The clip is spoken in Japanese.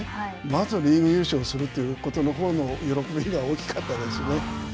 まずはリーグ優勝をするということのほうの喜びが大きかったですね。